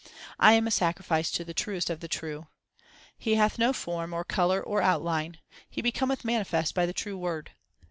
I am a sacrifice to the Truest of the true. He hath no form, or colour, or outline ; He becometh manifest by the true Word.